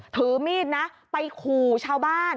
ถือมีดนะไปขู่ชาวบ้าน